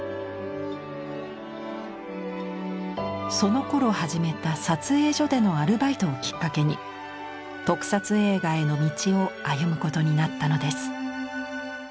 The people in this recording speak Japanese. そのころ始めた撮影所でのアルバイトをきっかけに特撮映画への道を歩むことになったのです。